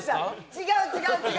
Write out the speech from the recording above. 違う違う！